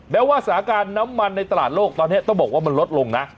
แม้ว่าสถานการณ์น้ำมันในตลาดโลกตอนนี้ต้องบอกว่ามันลดลงนะ